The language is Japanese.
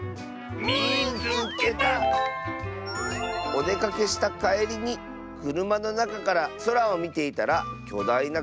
「おでかけしたかえりにくるまのなかからそらをみていたらきょだいな